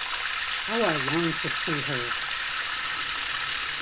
How I long to see her!